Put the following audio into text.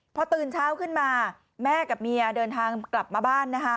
พอตื่นเช้าขึ้นมาแม่กับเมียเดินทางกลับมาบ้านนะคะ